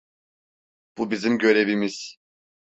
Bu bizim görevimiz.